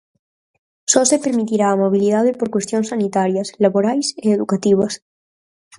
Só se permitirá a mobilidade por cuestións sanitarias, laborais e educativas.